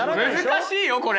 難しいよこれ！